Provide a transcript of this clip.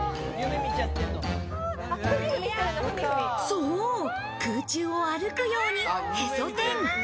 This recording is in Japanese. そう、空中を歩くようにヘソ天。